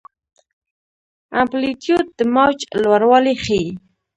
امپلیتیوډ د موج لوړوالی ښيي.